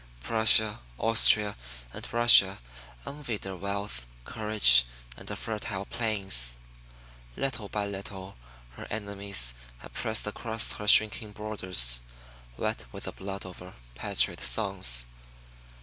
Prussia, Austria and Russia envied her wealth, courage, and her fertile plains. Little by little her enemies had pressed across her shrinking borders, wet with the blood of her patriot sons.